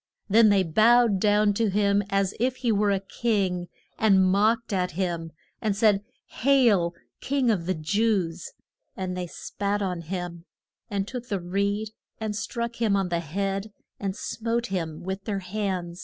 Then they bowed down to him, as if he were a king, and mocked at him and said, Hail, King of the Jews! And they spat on him, and took the reed and struck him on the head, and smote him with their hands.